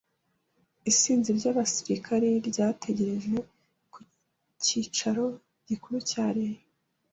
Isinzi ry’abasirikare ryategereje ku cyicaro gikuru cya Lee.